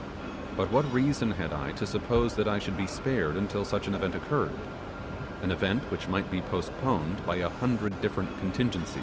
But what reason had I to suppose that I should be spared until such an event occurred, an event which might be postponed by a hundred different contingencie